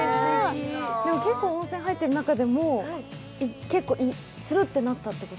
結構、温泉入ってる中でもつるっとなったっていうこと？